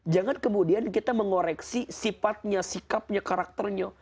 jangan kemudian kita mengoreksi sifatnya sikapnya karakternya